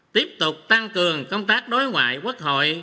tiếp tục tăng cường công tác đối ngoại quốc hội